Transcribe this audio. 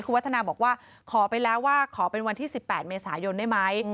คุณวัฒนาบอกว่าขอไปแล้วว่าขอเป็นวันที่๑๘เมษายนได้ไหม